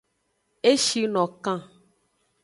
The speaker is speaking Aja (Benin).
E shi no kan.